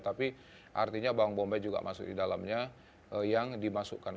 tapi artinya bawang bombay juga masuk di dalamnya yang dimasukkan